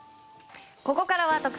ここからは特選！